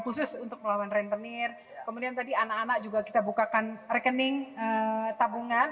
khusus untuk melawan rentenir kemudian tadi anak anak juga kita bukakan rekening tabungan